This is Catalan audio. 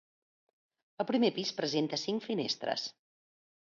El primer pis presenta cinc finestres.